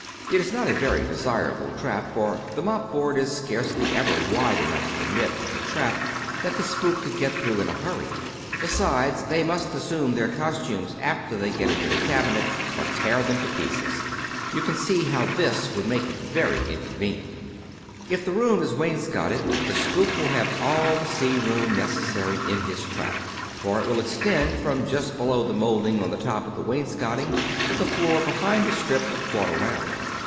It is not a very desirable trap, for the mopboard is scarcely ever wide enough to permit of a trap that the spook could get through in a hurry; besides, they must assume their costumes after they get into the cabinet or tear them to pieces. You can see how this would make it very incon venient. If the room is wainscoted the spook will have all the sea room necessary in his trap, for it will extend from just below the molding on the top of the wainscoting to the floor behind the strip of quarter round.